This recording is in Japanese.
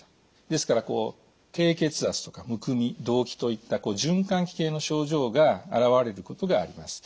ですから低血圧とかむくみ動悸といった循環器系の症状が現れることがあります。